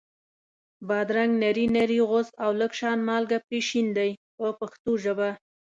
بادرنګ نري نري غوڅ او لږ شان مالګه پرې شیندئ په پښتو ژبه.